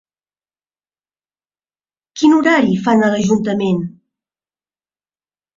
Quin horari fan a l'Ajuntament?